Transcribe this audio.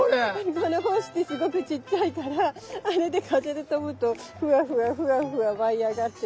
この胞子ってすごくちっちゃいからあれで風で飛ぶとフワフワフワフワ舞い上がって。